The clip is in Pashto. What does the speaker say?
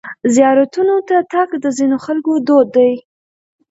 زیارتونو ته تګ د ځینو خلکو دود دی.